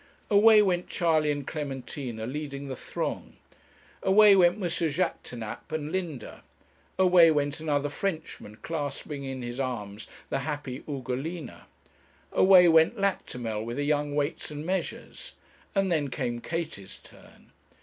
Away went Charley and Clementina leading the throng; away went M. Jaquêtanàpe and Linda; away went another Frenchman, clasping in his arms the happy Ugolina. Away went Lactimel with a young Weights and Measures and then came Katie's turn.